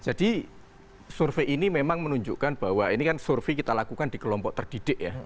jadi survei ini memang menunjukkan bahwa ini kan survei kita lakukan di kelompok terdidik ya